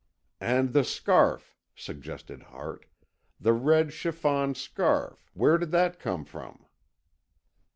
"And the scarf," suggested Hart. "The red chiffon scarf, where did that come from?"